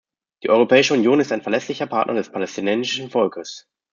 Die Europäische Union ist ein verlässlicher Partner des palästinensischen Volkes.